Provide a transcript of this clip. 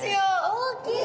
大きい！